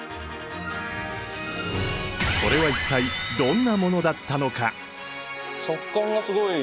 それは一体どんなものだったのか！？